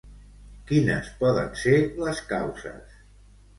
Quines poden ser les causes?